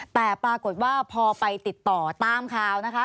แต่ปรากฏว่าพอไปติดต่อตามข่าวนะคะ